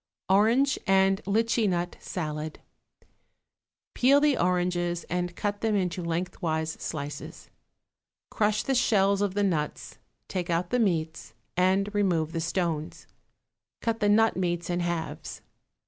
=Orange and Litchi Nut Salad.= Peel the oranges and cut them into lengthwise slices. Crush the shells of the nuts, take out the meats, and remove the stones; cut the nut meats in halves.